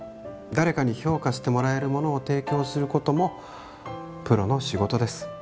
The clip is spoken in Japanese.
誰かに評価してもらえるものを提供することもプロの仕事です。